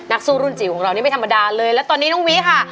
สู้รุ่นจิ๋วของเรานี่ไม่ธรรมดาเลยและตอนนี้น้องวิค่ะ